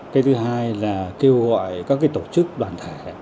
cái thứ hai là kêu gọi các tổ chức đoàn thể